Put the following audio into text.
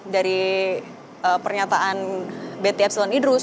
dari pernyataan bt epsilon idrus